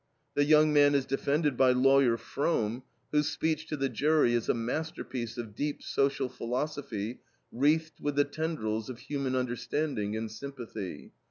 The young man is defended by Lawyer Frome, whose speech to the jury is a masterpiece of deep social philosophy wreathed with the tendrils of human understanding and sympathy.